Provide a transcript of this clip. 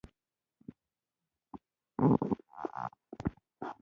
هوښیار څوک دی چې د هر حالت نه زدهکړه کوي.